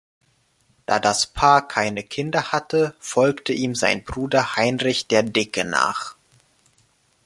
Da das Paar keine Kinder hatte, folgte ihm sein Bruder Heinrich der Dicke nach.